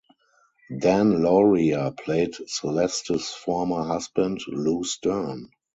Dan Lauria played Celeste's former husband, Lou Stern.